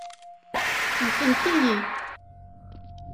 Wten-iyi.